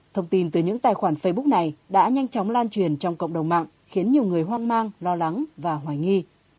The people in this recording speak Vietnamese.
thông tin từ những tài khoản facebook này đã nhanh chóng lan truyền trong cộng đồng mạng khiến nhiều người hoang mang lo lắng và hoài nghi